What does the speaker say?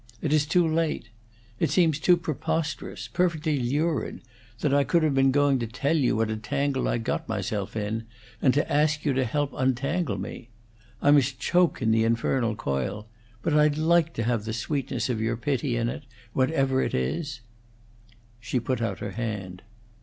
It is too late. It seems too preposterous perfectly lurid that I could have been going to tell you what a tangle I'd got myself in, and to ask you to help untangle me. I must choke in the infernal coil, but I'd like to have the sweetness of your pity in it whatever it is." She put out her hand.